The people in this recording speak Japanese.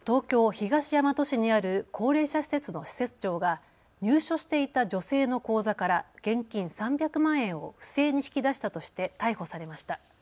東大和市にある高齢者施設の施設長が入所していた女性の口座から現金３００万円を不正に引き出したとして逮捕されました。